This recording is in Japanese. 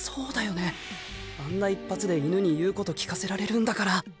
あんな一発で犬に言うこと聞かせられるんだから。